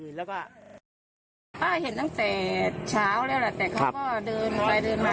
เช้าแล้วแหละแต่เขาก็เดินไปเดินมา